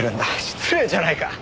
失礼じゃないか！